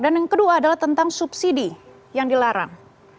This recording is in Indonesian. dan yang kedua adalah tentang subsidi yang dilarang